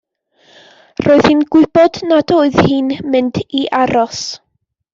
Roedd hi'n gwybod nad oedd hi'n mynd i aros.